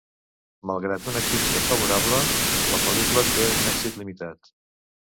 Malgrat una crítica favorable, la pel·lícula té un èxit limitat.